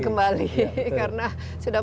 kembali karena sudah